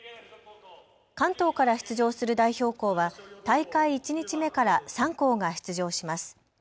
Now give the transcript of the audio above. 関東から出場する代表校は大会１日目から３校が出場します。